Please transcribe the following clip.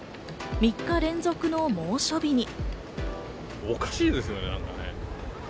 ３日連続の猛暑日に。